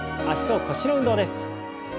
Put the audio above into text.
脚と腰の運動です。